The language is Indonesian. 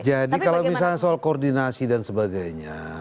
jadi kalau misalnya soal koordinasi dan sebagainya